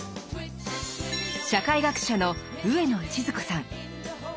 社会学者の上野千鶴子さん。